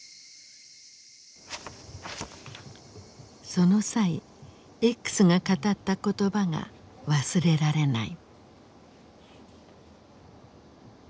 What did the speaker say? その際Ｘが語った言葉が忘れられない。